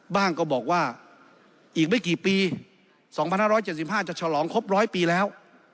บ้างก็บอกว่าอีกไม่กี่ปี๒๕๗๕จะฉลองครบ๑๐๐ปีแล้ว